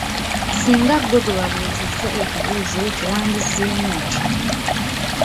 "Singa ggwe gwe babuuzizza ekibuuzo ekyo, wandizzeemu otya?"